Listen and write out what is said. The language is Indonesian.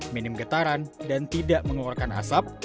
minim getaran dan tidak mengeluarkan asap